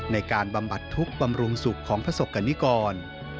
ในการบำบัดทุกข์บำรุงสุขของพระสกรรณิกร